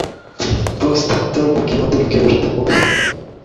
প্রস্তাব তোর পুটকিতে ঢুকিয়ে বসে থাক শালা বোকাচোদা।